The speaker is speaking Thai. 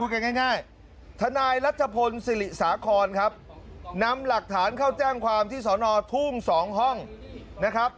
กันง่ายทนายรัชพลศิริสาครครับนำหลักฐานเข้าแจ้งความที่สอนอทุ่ง๒ห้องนะครับ